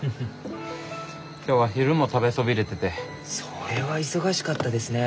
それは忙しかったですね。